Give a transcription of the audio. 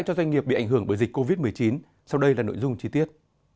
cho doanh nghiệp bị ảnh hưởng bởi dịch covid một mươi chín sau đây là nội dung chi tiết